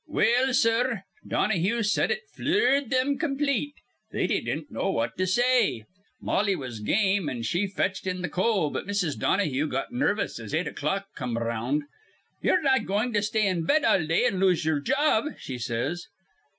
"Well, sir, Donahue said it flured thim complete. They didn't know what to say. Mollie was game, an' she fetched in th' coal; but Mrs. Donahue got nervous as eight o'clock come around. 'Ye're not goin' to stay in bed all day an' lose ye'er job,' she says.